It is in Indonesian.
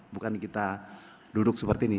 bukan kita duduk seperti ini